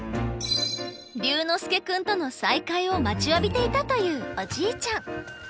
琉之介君との再会を待ちわびていたというおじいちゃん。